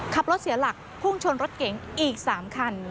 ขับรถเสียหลักพุ่งชนรถเก๋งอีก๓คัน